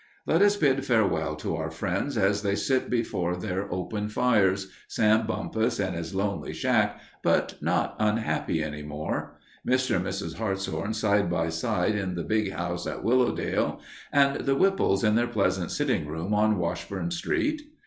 Let us bid farewell to our friends as they sit before their open fires, Sam Bumpus in his lonely shack, but not unhappy any more, Mr. and Mrs. Hartshorn side by side in the big house at Willowdale, and the Whipples in their pleasant sitting room on Washburn Street.